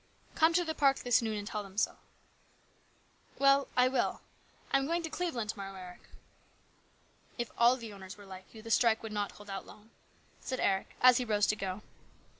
" Come to the park this noon and tell them so." " Well, I will. I am going to Cleveland to morrow, Eric." " If all the owners were like you, the strike would not hold out long," said Eric as he rose to go.